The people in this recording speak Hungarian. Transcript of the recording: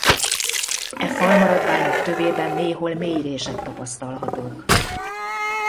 E falmaradványok tövében néhol mély rések tapasztalhatók.